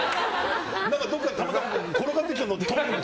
どこかたまたま転がってきたのを。